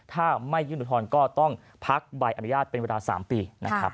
ถ้าไม่ยื่นอุทธรณ์ก็ต้องพักใบอนุญาตเป็นเวลา๓ปีนะครับ